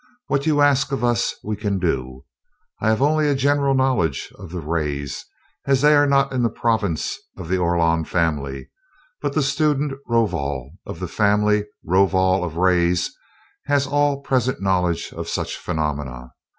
"What you ask of us we can do. I have only a general knowledge of rays, as they are not in the province of the Orlon family; but the student Rovol, of the family Rovol of Rays, has all present knowledge of such phenomena.